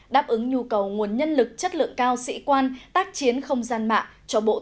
đáp ứng nhu cầu nguồn nhân lực chất lượng cao sĩ quan tác chiến không gian mạng cho bộ tư lệnh tám mươi sáu